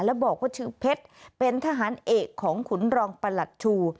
แล้วบอกว่าชื่อเพชรเป็นทหารเอกของขุนรองประหลัดชู